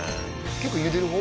結構ゆでる方？